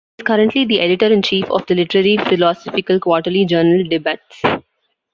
He is currently the Editor-in-chief of the literary-philosophical quarterly journal "Debats".